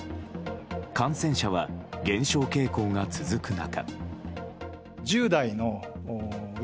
感染者は減少傾向が続く中。